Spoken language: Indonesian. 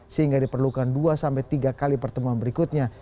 sehingga diperlukan dua tiga kali pertemuan berikutnya